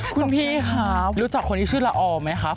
คุณพี่ครับรู้จักคนที่ชื่อละออไหมครับ